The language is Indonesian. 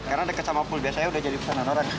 karena dekat sama pool biasa ya udah jadi kesanan orang